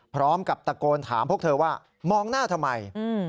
พร้อมกับตะโกนถามพวกเธอว่ามองหน้าทำไม